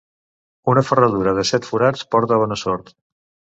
Una ferradura de set forats porta bona sort.